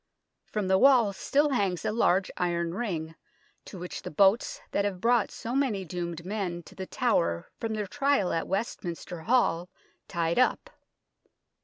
From the wall still hangs a large iron ring, to which the boats that have brought so many doomed men to The Tower from their trial at Westminster Hall, tied up.